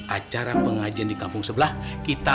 acara pengajian di kampung sebelah kita